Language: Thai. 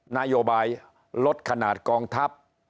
นโยบายลดขนาดกองทัพ